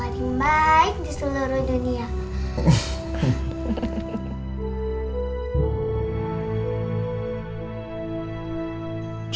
baik di seluruh dunia